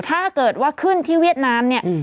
ถ้าเกิดว่าขึ้นที่เวียดนามเนี่ย